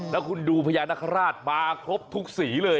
แล้วคุณดูพญานาคาราชมาครบทุกสีเลย